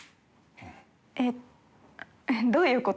えっどういう事？